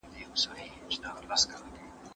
¬ د سختۍ څوک نه مري.